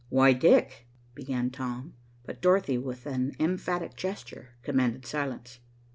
"Why, Dick," began Tom, but Dorothy, with an emphatic gesture, commanded silence.